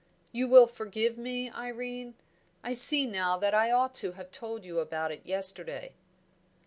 "You will forgive me, Irene? I see now that I ought to have told you about it yesterday."